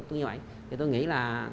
thì tôi nghĩ là